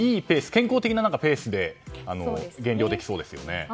健康的なペースで減量できそうですよね。